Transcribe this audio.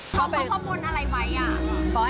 ขอให้หายป่วยหายเจ็บหายไข้